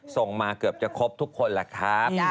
ส่งมาเกือบจะครบทุกคนแหละครับ